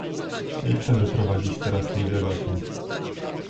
Nie chcemy prowadzić teraz tej debaty